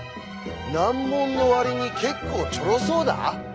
難問の割に結構ちょろそうだ！？